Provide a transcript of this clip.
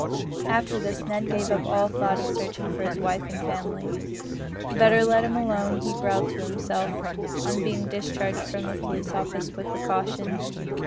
After this Ned gave up all thought of searching for his wife and family. "Better let 'em alone," he growled to himself on being discharged from the police office with a caution.